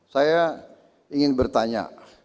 saya ingin bertanya